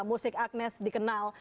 musik agnes dikenal